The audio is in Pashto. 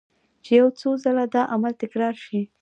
چې يو څو ځله دا عمل تکرار شي